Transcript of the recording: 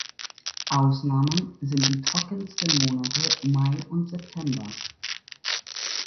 Ausnahmen sind die trockensten Monate Mai und September.